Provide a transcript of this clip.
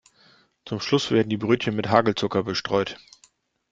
Zum Schluss werden die Brötchen mit Hagelzucker bestreut.